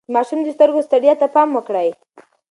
د ماشوم د سترګو ستړيا ته پام وکړئ.